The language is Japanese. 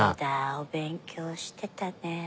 お勉強してたね。